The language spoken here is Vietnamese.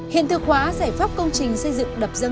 hiện thực hóa giải pháp công trình xây dựng đập dâng sông hồng